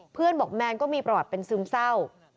เพื่อนบอกแมนก็มีประวัติเป็นซึมเศร้า